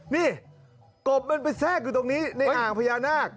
นี่กบมันไปแทรกอยู่ตรงนี้ในอ่างพญานาค